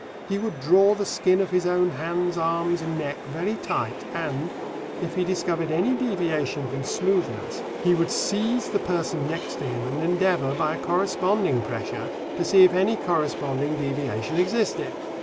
He would draw the skin of his own hands arms, and neck, very tight, and, if he discovered any deviation from smoothness, he would seize the person next to him and endeavour, by a corresponding pressure, to see if any corresponding deviation existed.